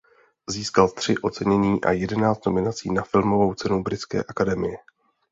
Získal tři ocenění a jedenáct nominací na Filmovou cenu Britské akademie.